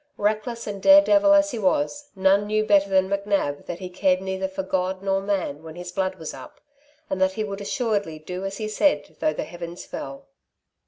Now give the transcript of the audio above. Reckless and dare devil as he was, none knew better than McNab that he cared neither for God nor man when his blood was up, and that he would assuredly do as he said though the heavens fell.